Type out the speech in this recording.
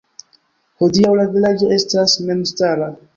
Hodiaŭ la vilaĝo estas memstara.